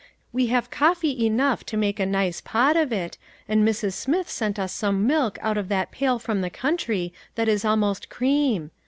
We have coffee enough to make a nice pot of it, and Mrs. Smith sent us some milk out of that pail from the country that is almost cream.